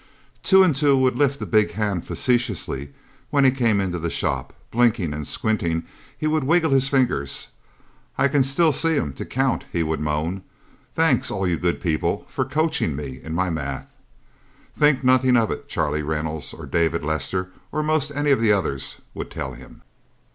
Two and Two would lift a big hand facetiously, when he came into the shop. Blinking and squinting, he would wiggle his fingers. "I can still see 'em to count!" he would moan. "Thanks, all you good people, for coaching me in my math." "Think nothing of it," Charlie Reynolds or David Lester, or most any of the others, would tell him.